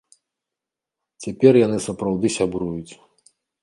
Цяпер яны сапраўды сябруюць.